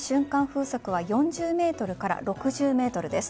風速は４０メートルから６０メートルです。